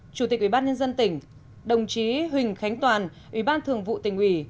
chủ tịch ubnd tỉnh đồng chí huỳnh khánh toàn ubnd tỉnh ủy